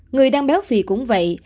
người đang béo phì cũng vậy